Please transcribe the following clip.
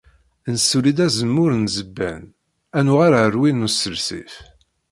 Nesuli-d azemmur n Zebban, ad nuɣal ar win n Usersif.